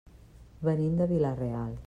Venim de Vila-real.